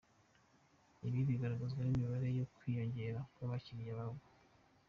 Ibi bigaragazwa n’imibare yo kwiyongera kw’abakiriya babo.